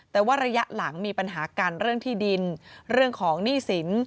แต่ว่าระยะหลังมีปัญหากันเรื่องที่ดินเรื่องของหนี้สิน